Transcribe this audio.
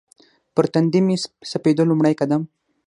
پر تندي مې سپېدو لومړی قدم